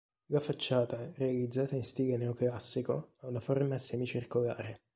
La facciata, realizzata in stile neoclassico, ha una forma semicircolare.